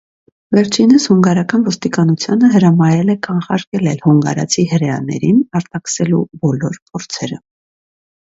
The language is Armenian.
Վերջինս հունգարական ոստիկանությանը հրամայել է կանխարգելել հունգարացի հրեաներին արտաքսելու բոլոր փորձերը։